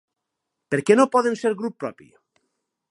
Per què no poden ser grup propi?